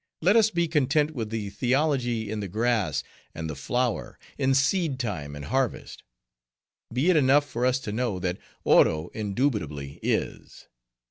Let us be content with the theology in the grass and the flower, in seed time and harvest. Be it enough for us to know that Oro indubitably is.